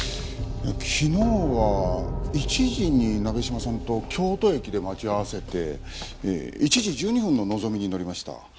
昨日は１時に鍋島さんと京都駅で待ち合わせて１時１２分ののぞみに乗りました。